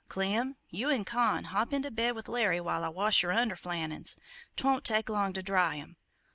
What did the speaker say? Clem, you and Con hop into bed with Larry while I wash yer underflannins; 'twont take long to dry 'em.